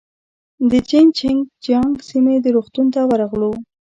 د جين چنګ جيانګ سیمې روغتون ته ورغلو.